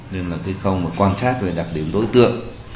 nên là khi không quan sát về đặc điểm đối tượng